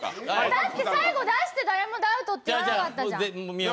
だって最後出して誰もダウトって言わなかったじゃん。